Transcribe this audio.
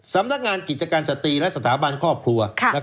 สำนักงานกิจการสตรีและสถาบันครอบครัว